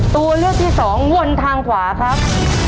ตัวเลือกที่สองวนทางขวาครับ